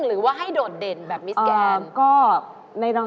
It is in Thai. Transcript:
หรือว่าให้โดดเด่นแบบมิสแกน